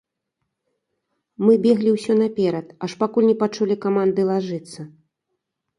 Мы беглі ўсё наперад, аж пакуль не пачулі каманды лажыцца.